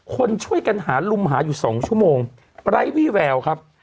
คนช่วยกันหาลุมหาอยู่๒ชั่วโมงไร้วี่แววครับ